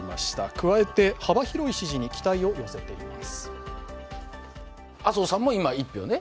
加えて、幅広い支持に期待を寄せています。